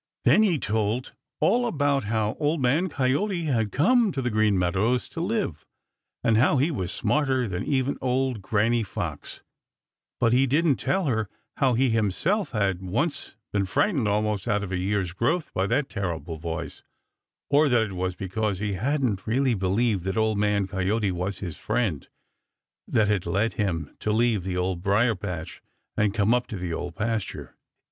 Then he told all about how Old Man Coyote had come to the Green Meadows to live, and how he was smarter than even old Granny Fox, but he didn't tell her how he himself had once been frightened almost out of a year's growth by that terrible voice, or that it was because he hadn't really believed that Old Man Coyote was his friend that had led him to leave the Old Briar patch and come up to the Old Pasture.